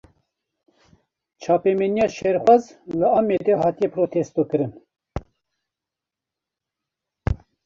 Çapemeniya şerxwaz, li Amedê hate protestokirin